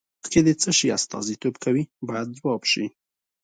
اوښکې د څه شي استازیتوب کوي باید ځواب شي.